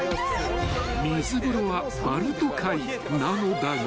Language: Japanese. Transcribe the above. ［水風呂はバルト海なのだが］